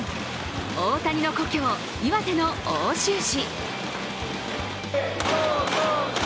大谷の故郷・岩手の奥州市。